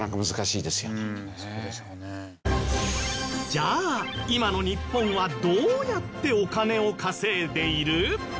じゃあ今の日本はどうやってお金を稼いでいる？